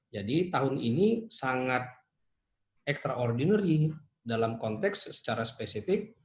jadi tahun ini sangat extraordinary dalam konteks secara spesifik